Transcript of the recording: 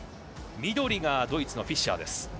緑がドイツのフィッシャー。